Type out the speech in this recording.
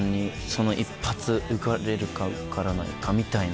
その一発受かれるか受からないかみたいな。